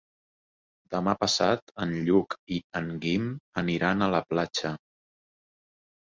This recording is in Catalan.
Demà passat en Lluc i en Guim aniran a la platja.